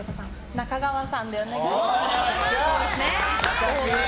中川さんでお願いします。